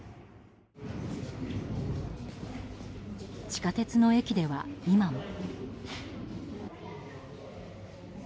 地下鉄の駅では、今も。